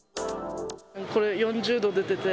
これ、４０度出てて。